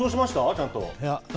ちゃんと。